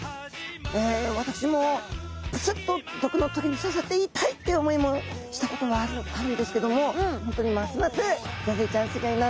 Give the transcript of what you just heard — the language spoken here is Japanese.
私もぷすっと毒の棘に刺さって痛いっていう思いもしたこともあるんですけども本当にますますギョンズイちゃんす